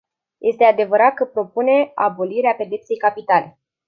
Este adevărat că propune abolirea pedepsei capitale.